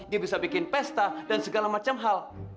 dia bisa bikin pesta dan segala macam hal